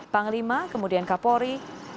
panglima kemudian kapolri